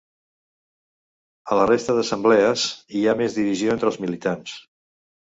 A la resta d’assemblees, hi ha més divisió entre els militants.